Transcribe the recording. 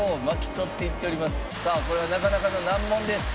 さあこれはなかなかの難問です。